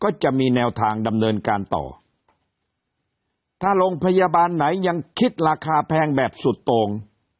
จะมีแนวทางดำเนินการต่อถ้าโรงพยาบาลไหนยังคิดราคาแพงแบบสุดโต่ง